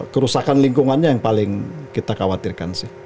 kerusakan lingkungannya yang paling kita khawatirkan sih